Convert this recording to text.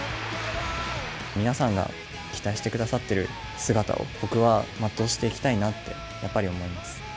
皆さんが期待してくださってる姿を僕は全うしていきたいなってやっぱり思います。